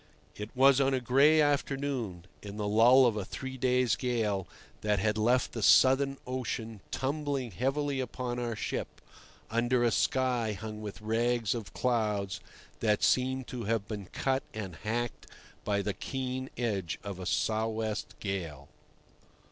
It was on a gray afternoon in the lull of a three days' gale that had left the Southern Ocean tumbling heavily upon our ship, under a sky hung with rags of clouds that seemed to have been cut and hacked by the keen edge of a sou' west gale.